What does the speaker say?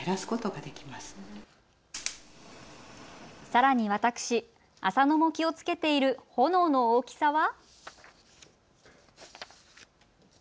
さらに私、浅野も気をつけている炎の大きさは。